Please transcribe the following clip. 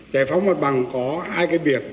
giải phóng mặt bằng có hai cái việc